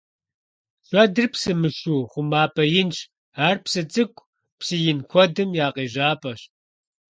Шэдыр псы мышыу хъумапӀэ инщ, ар псы цӀыкӀу, псы ин куэдым я къежьапӀэщ.